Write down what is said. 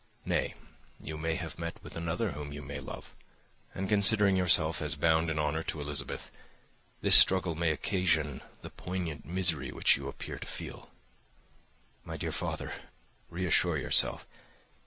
Nay, you may have met with another whom you may love; and considering yourself as bound in honour to Elizabeth, this struggle may occasion the poignant misery which you appear to feel." "My dear father, reassure yourself.